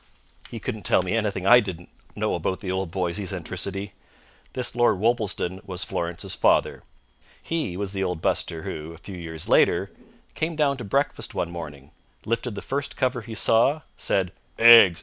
He couldn't tell me anything I didn't know about the old boy's eccentricity. This Lord Worplesdon was Florence's father. He was the old buster who, a few years later, came down to breakfast one morning, lifted the first cover he saw, said "Eggs!